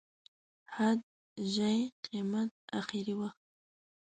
حد، ژۍ، قیامت، اخري وخت.